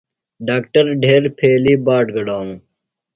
ڈاکٹر ڈھیر پھیلیۡ بٹہ گڈانوۡ۔